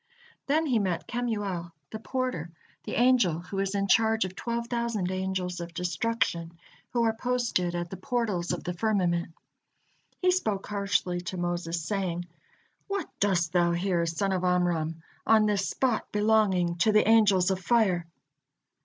Then he met Kemuel, the porter, the angel who is in charge of twelve thousand angels of destruction, who are posted at the portals of the firmament. He spoke harshly to Moses, saying: "What dost thou here, son of Amram, on this spot, belonging to the angels of fire?"